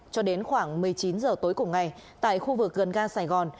cho đến khoảng một mươi chín h tối cùng ngày tại khu vực gần ga sài gòn